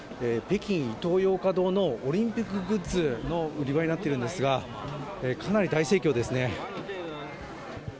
北京イトーヨーカドーのオリンピックグッズの売り場となっているんですがかなり大盛況ですね。